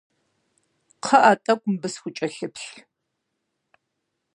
КхъыӀэ, тӀэкӀу мыбы схукӀэлъыплъ.